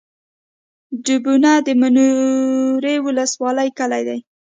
ډبونه د منورې ولسوالۍ کلی دی